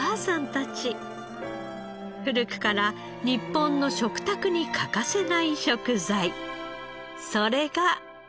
古くから日本の食卓に欠かせない食材それが。